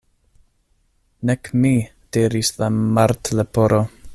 "Nek mi," diris la Martleporo.